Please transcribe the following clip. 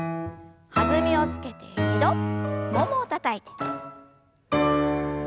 弾みをつけて２度ももをたたいて。